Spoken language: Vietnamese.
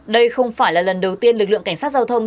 đây không phải là lần đầu tiên lực lượng cảnh sát giao thông